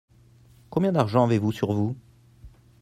Combien d'argent avez-vous sur vous ?